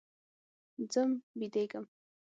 ځم بيدېږم.